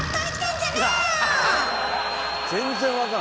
全然分からん。